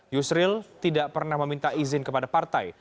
yusril tidak pernah meminta izin kepada partai